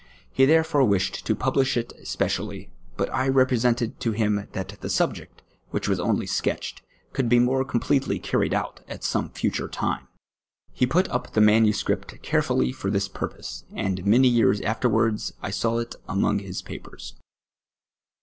He therefore wished to publish it speciidly, but I represented to him that the subject, which was only sketched, could be more completely carried out at some future timo. He p\it up the manuscript carefidly for this pui jiose, and many years afterwards I saw it among his papers.